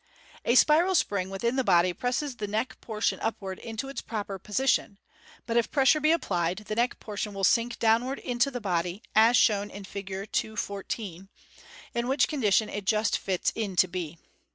A spiral spring within the body presses the Fig. 211. neck portion upward into its proper position 3 but if pressure be applied, the neck portion will sink down ward into the body, as shown in Fig. 214, in which condition it just fits into B.